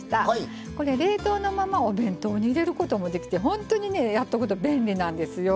これ冷凍のままお弁当に入れることもできて本当にやっとくと便利なんですよ。